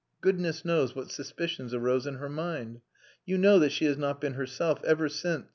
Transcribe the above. Goodness knows what suspicions arose in her mind. You know that she has not been herself ever since....